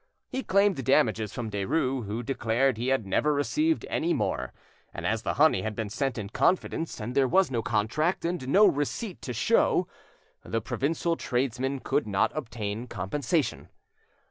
He claimed damages from Derues, who declared he had never received any more, and as the honey had been sent in confidence, and there was no contract and no receipt to show, the provincial tradesman could not obtain compensation.